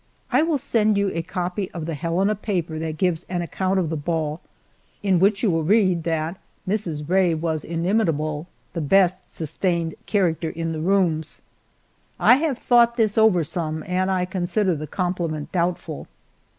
I will send you a copy of the Helena paper that gives an account of the ball, in which you will read that "Mrs. Rae was inimitable the best sustained character in the rooms." I have thought this over some, and I consider the compliment doubtful.